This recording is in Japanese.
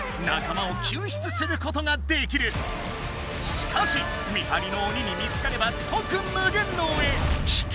しかし見はりの鬼に見つかればそく無限牢へ。